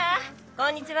こんにちは。